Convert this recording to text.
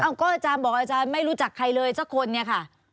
ก็อาจารย์บอกอาจารย์ไม่รู้จักใครเลยสักคนเนี่ยค่ะ